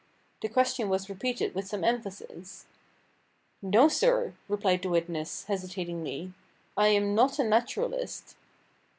The question was repeated with some emphasis. "No, sir!" replied the witness, hesitatingly, "I am not a naturalist."